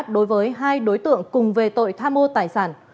đối với hai đối tượng cùng về tội tha mua tài sản